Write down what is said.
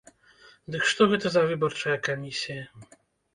Дык што гэта за выбарчая камісія.